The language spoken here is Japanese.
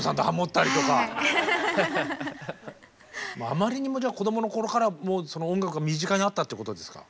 あまりにも子どもの頃から音楽が身近にあったっていうことですか。